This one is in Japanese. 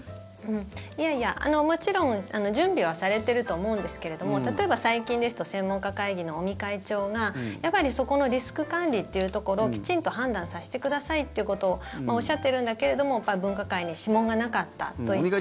いやいやもちろん準備はされてると思うんですけども例えば、最近ですと専門家会議の尾身会長がやっぱりそこのリスク管理というところをきちんと判断させてくださいっていうことをおっしゃってるんだけれども分科会に諮問がなかったと言って。